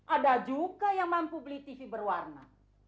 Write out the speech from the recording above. ada juga yang mampu beli tv berwarna